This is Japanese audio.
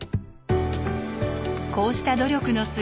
こうした努力の末